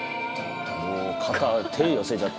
もう肩手寄せちゃって。